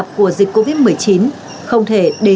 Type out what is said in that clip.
trước diễn biến phức tạp của dịch covid một mươi chín